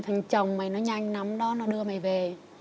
thành chồng mày nó nhanh lắm đó nó đưa mày về